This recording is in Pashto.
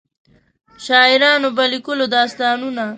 شاعرانو به لیکلو داستانونه.